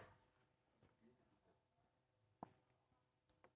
พอสำหรับบ้านเรียบร้อยแล้วทุกคนก็ทำพิธีอัญชนดวงวิญญาณนะคะแม่ของน้องเนี้ยจุดทูปเก้าดอกขอเจ้าที่เจ้าทาง